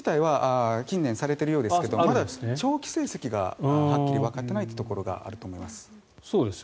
件数自体は近年されているようですが長期成績がはっきりわかっていないところもあります。